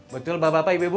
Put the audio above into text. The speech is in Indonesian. betul bapak bapak ibu ibu